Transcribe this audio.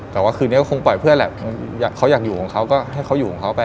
แต่ว่าคืนนี้ก็คงปล่อยเพื่อนแหละเขาอยากอยู่ของเขาก็ให้เขาอยู่ของเขาไป